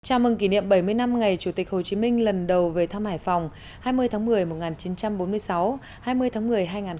chào mừng kỷ niệm bảy mươi năm ngày chủ tịch hồ chí minh lần đầu về thăm hải phòng hai mươi tháng một mươi một nghìn chín trăm bốn mươi sáu hai mươi tháng một mươi hai nghìn hai mươi